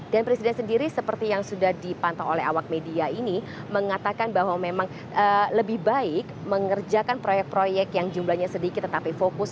dan presiden sendiri seperti yang sudah dipantau oleh awak media ini mengatakan bahwa memang lebih baik mengerjakan proyek proyek yang jumlahnya sedikit tetapi fokus